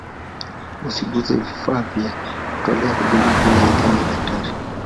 usiguse vifaa vya kutolea huduma bila idhini ya daktari